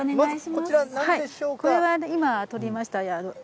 これは今、取りました